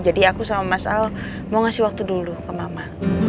jadi aku sama mas al mau ngasih waktu dulu ke mama